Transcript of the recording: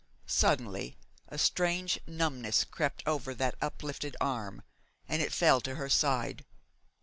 Suddenly, a strange numbness crept over that uplifted arm, and it fell to her side.